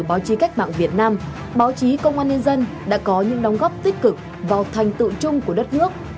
báo chí cách mạng việt nam báo chí công an nhân dân đã có những đóng góp tích cực vào thành tựu chung của đất nước